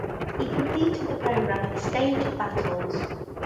He completed the program at the stage of battles.